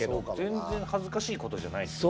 全然恥ずかしいことじゃない。